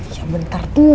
ya bentar dulu